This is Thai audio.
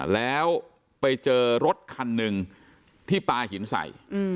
แล้วไปเจอรถคันหนึ่งที่ปลาหินใส่